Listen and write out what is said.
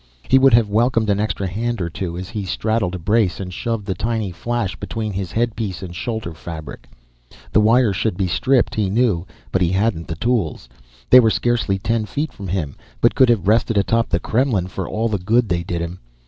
He would have welcomed an extra hand or two, as he straddled a brace and shoved the tiny flash between his headpiece and shoulder fabric. The wire should be stripped, he knew, but he hadn't the tools. They were scarcely ten feet from him, but could have rested atop the Kremlin for all the good they did him.